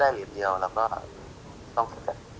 เราก็ต้องฝึกเจ้าภาพ